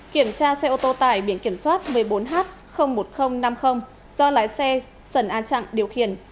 kiểm tra xe ô tô tải biển kiểm soát một mươi bốn h một nghìn năm mươi do lái xe sần an trạng điều khiển